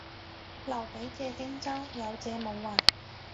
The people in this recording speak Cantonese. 劉備借荊州，有借冇還